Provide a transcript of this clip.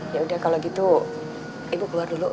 yaudah kalau gitu ibu keluar dulu